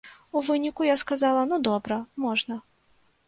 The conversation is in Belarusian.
У выніку я сказала, ну добра, можна.